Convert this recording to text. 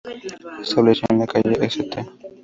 Se estableció en la calle St.